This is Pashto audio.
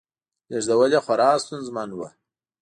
لېږدول یې خورا ستونزمن و